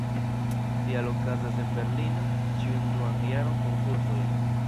Tial okazas en Berlino ĉiun duan jaron konkursoj.